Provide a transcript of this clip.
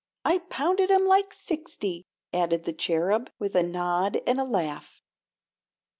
"I pounded 'em like sixty," added the Cherub, with a nod and a laugh.